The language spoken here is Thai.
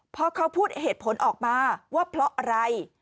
เพราะเขาพูดเหตุผลออกมาว่าเพราะอะไร